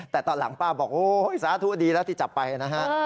แต่ตอนหลังป้าบอกโอ๊ยสาธุดีแล้วที่จับไปนะฮะ